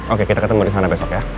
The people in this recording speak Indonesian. oke kita ketemu disana besok ya